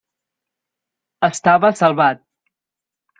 Estava salvat.